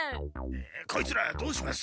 こいつらどうします？